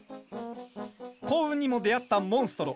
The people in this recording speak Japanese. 幸運にも出会ったモンストロ。